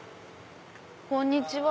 こんにちは！